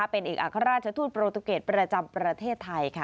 เป็นเอกอัครราชทูตโปรตุเกตประจำประเทศไทยค่ะ